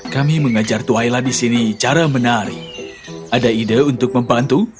kami mengajar tuhaila di sini cara menari ada ide untuk membantu